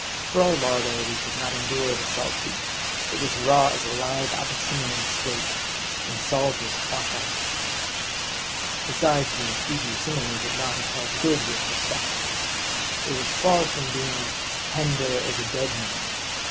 For our larder, we could not endure the salt beef; it was raw as a live Abyssinian steak, and salt as Cracow. Besides, the Feegee simile would not have held good with respect to it. It was far from being " tender as a dead man."